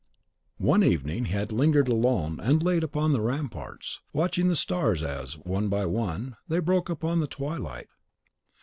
One evening he had lingered alone and late upon the ramparts, watching the stars as, one by one, they broke upon the twilight.